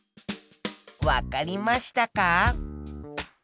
わかりましたか？